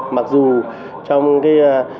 mặc dù trong cái